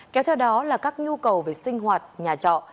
kéo theo đó là các nhu cầu về sinh hoạt nhà trọ